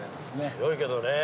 強いけどねえ。